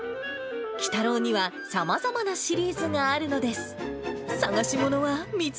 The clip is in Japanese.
鬼太郎にはさまざまなシリーズがあるのです。